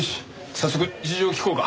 早速事情を聴こうか。